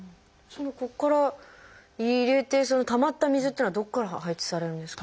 ここから入れてそのたまった水っていうのはどこから排出されるんですか？